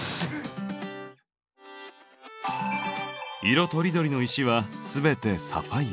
色とりどりの石は全てサファイア。